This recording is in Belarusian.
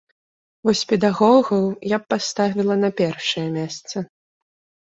Вось педагогаў я б паставіла на першае месца.